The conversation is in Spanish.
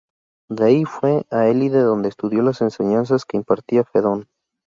De ahí fue a Élide donde estudió las enseñanzas que impartía Fedón.